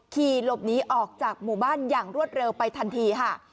ขี่หลบหนีออกจากหมู่บ้านอย่างรวดเร็วไปทันทีค่ะ